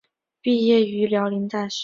毕业于辽宁大学。